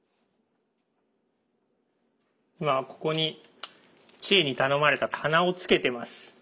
今ここに千恵に頼まれた棚をつけてます。